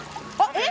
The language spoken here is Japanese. えっ！